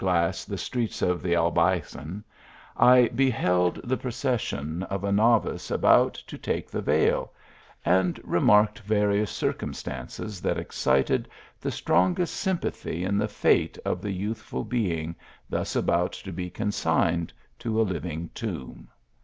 iss the streets of the Albaycin, I beheld the pro cession of a novice about to take the veil ; and re marked various circumstances that excited the strongest sympathy in the fate of the youthful being 7t THE ALIIAjfBRA. f!:us about to be consigned to a living tomb.